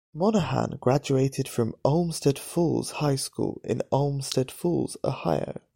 Monahan graduated from Olmsted Falls High School in Olmsted Falls, Ohio.